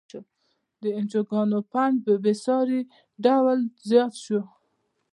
د انجوګانو فنډ په بیسارې ډول زیات شوی.